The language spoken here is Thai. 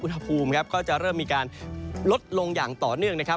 อุณหภูมิครับก็จะเริ่มมีการลดลงอย่างต่อเนื่องนะครับ